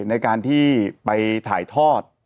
ในการที่ไปถ่ายทอด